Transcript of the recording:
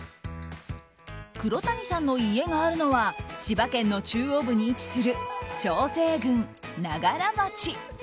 黒谷さんの家があるのは千葉県の中央部に位置する長生郡長柄町。